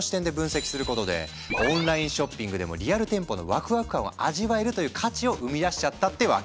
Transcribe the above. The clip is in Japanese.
オンラインショッピングでもリアル店舗のワクワク感を味わえるという価値を生み出しちゃったってわけ。